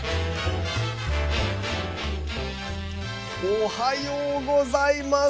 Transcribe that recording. おはようございます！